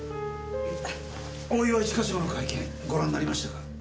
大岩一課長の会見ご覧になりましたか？